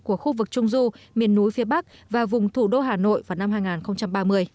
của khu vực trung du miền núi phía bắc và vùng thủ đô hà nội vào năm hai nghìn ba mươi